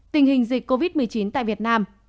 tình hình dịch covid một mươi chín tại việt nam